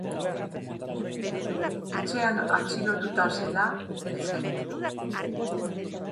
Etxean atxilotuta zela hil zen.